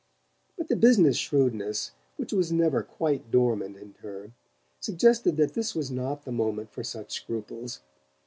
But the business shrewdness which was never quite dormant in her suggested that this was not the moment for such scruples.